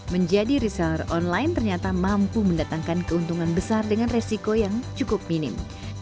menjadi reseller online ternyata mampu mendatangkan keuntungan besar dengan resiko yang cukup minim